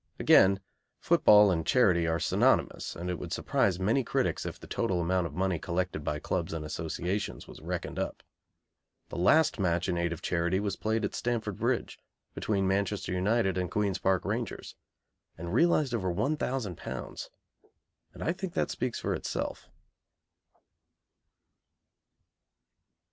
Again, football and charity are synonymous, and it would surprise many critics if the total amount of money collected by clubs and associations was reckoned up. The last match in aid of charity was played at Stamford Bridge, between Manchester United and Queen's Park Rangers, and realised over £1,000, and I think that speaks for itself.